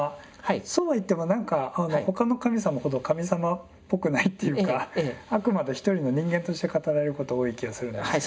そうは言っても何か他の神様ほど神様っぽくないっていうかあくまで一人の人間として語られること多い気がするんですけど。